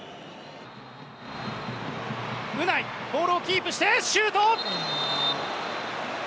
ウナイボールをキープしてシュート！